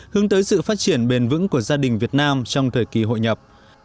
hướng tới sự phát triển bền vững của gia đình việt nam trong thời kỳ hội nhập